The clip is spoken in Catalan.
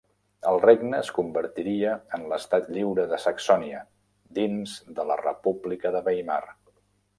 El regne es convertiria en l'Estat Lliure de Saxònia dins de la república de Weimar.